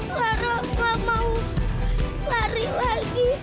lara gak mau lari lagi om